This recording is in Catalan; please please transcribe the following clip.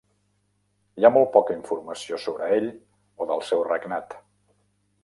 Hi ha molt poca informació sobre ell o del seu regnat.